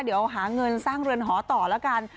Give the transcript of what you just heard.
เดี๋ยวหาเงินสร้างเรือนหอต่อแล้วกัน